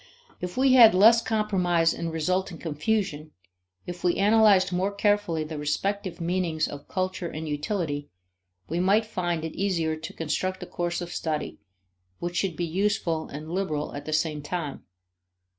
If we had less compromise and resulting confusion, if we analyzed more carefully the respective meanings of culture and utility, we might find it easier to construct a course of study which should be useful and liberal at the same time.